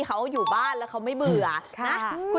เห้ยอยากให้ดู